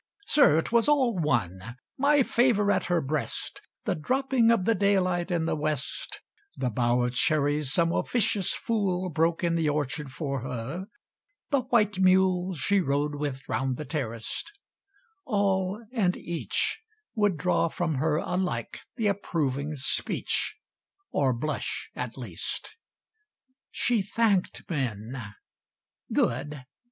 Sir, 'twas all one! My favour at her breast, The dropping of the daylight in the West, The bough of cherries some officious fool Broke in the orchard for her, the white mule She rode with round the terrace all and each Would draw from her alike the approving speech, 30 Or blush, at least. She thanked men good!